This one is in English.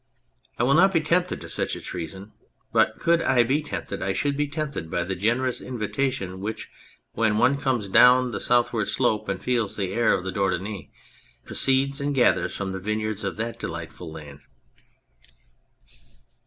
1 will not be tempted to such a treason, but could I be tempted I should be tempted by the generous invitation which, when one comes down the south ward slope and feels the air of the Dordogne, pro ceeds and gathers from the vineyards of that delightful land.